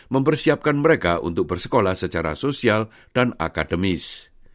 mempersiapkan mereka untuk bersekolah secara sosial dan akademis